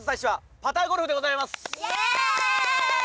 イエーイ！